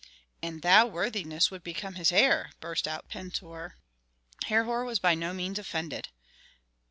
"And thou, worthiness, would become his heir!" burst out Pentuer. Herhor was by no means offended.